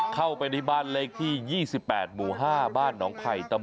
เข้าไปในบ้านเลขที่๒๘หมู่๕บ้านน้องไข่ตำบลนที่